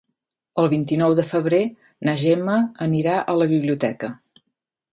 El vint-i-nou de febrer na Gemma anirà a la biblioteca.